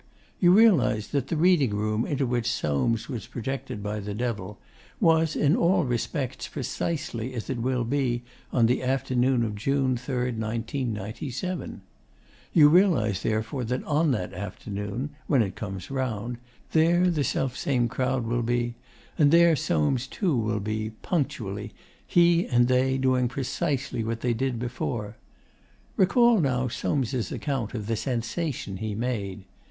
You realise that the reading room into which Soames was projected by the Devil was in all respects precisely as it will be on the afternoon of June 3, 1997. You realise, therefore, that on that afternoon, when it comes round, there the self same crowd will be, and there Soames too will be, punctually, he and they doing precisely what they did before. Recall now Soames' account of the sensation he made.